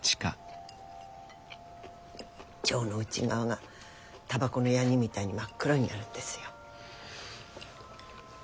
腸の内側がたばこのヤニみたいに真っ黒になるんですよ。